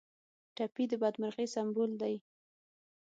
ټپي د بدمرغۍ سمبول دی.